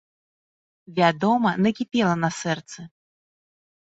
Вядома, накіпела на сэрцы.